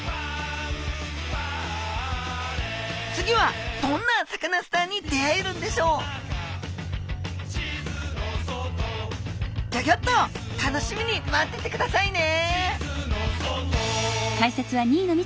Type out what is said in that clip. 次はどんなサカナスターに出会えるんでしょうギョギョッと楽しみに待っててくださいね！